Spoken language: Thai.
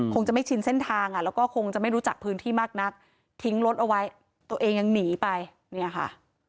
ก็คงจะไม่รู้จักพื้นที่มากนักทิ้งรถเอาไว้ตัวเองยังหนีไปเนี่ยค่ะ